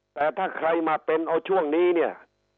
แต่ถ้าใครมาเป็นเอาช่วงนี้เนี่ย